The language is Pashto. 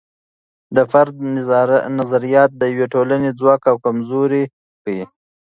د فرد نظریات د یوې ټولنې ځواک او کمزوري ښیي.